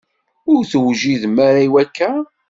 Ur tewjidem ara i wakka.